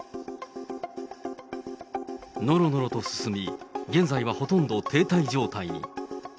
のろのろと進み、現在はほとんど停滞状態に。